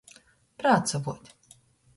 Prācavuot.